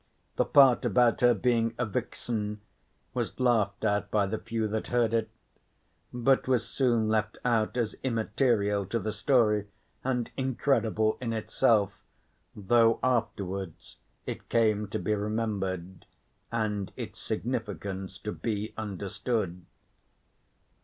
The part about her being a vixen was laughed at by the few that heard it, but was soon left out as immaterial to the story, and incredible in itself, though afterwards it came to be remembered and its significance to be understood.